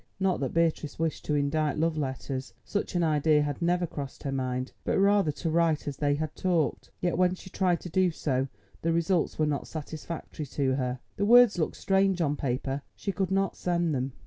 Not that Beatrice wished to indite love letters—such an idea had never crossed her mind, but rather to write as they had talked. Yet when she tried to do so the results were not satisfactory to her, the words looked strange on paper—she could not send them.